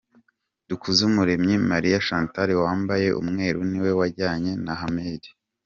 Dukuzumuremyi Marie Chantal wambaye umweru niwe wajyanye na Ahmed.